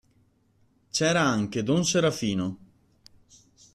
C'era anche don Serafino.